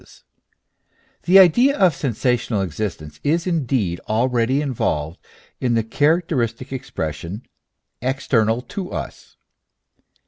199 The idea of sensational existence is indeed already involved in the characteristic expression "external to us."